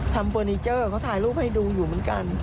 เฟอร์นิเจอร์เขาถ่ายรูปให้ดูอยู่เหมือนกัน